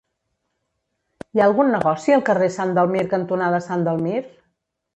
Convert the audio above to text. Hi ha algun negoci al carrer Sant Dalmir cantonada Sant Dalmir?